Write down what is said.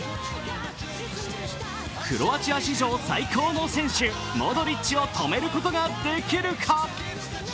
クロアチア史上最高の選手、モドリッチを止めることができるか？